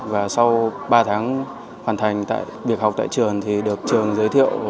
và sau ba tháng hoàn thành việc học tại trường thì được trường giới thiệu